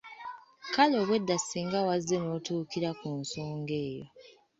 Kale obwedda singa wazze notuukira ku nsonga eyo.